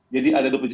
jadi ada dua pintu